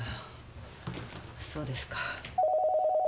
そうですか。